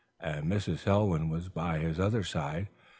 And Mrs. Selwyn was by his other side.